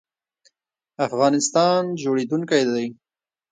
افغانستان جوړیدونکی دی